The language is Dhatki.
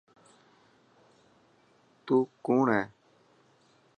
تون ڪوڻ هي.